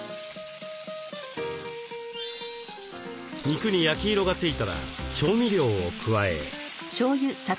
肉に焼き色が付いたら調味料を加え。